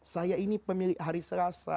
saya ini pemilik hari selasa